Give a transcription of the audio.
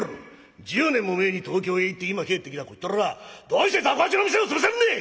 １０年も前に東京へ行って今帰ってきたこっちとらどうして雑穀八の店を潰せるんでい！